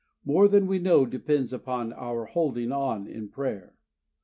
More than we know depends upon our holding on in prayer.